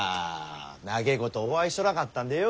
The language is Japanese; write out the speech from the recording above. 長えことお会いしとらんかったんでよ。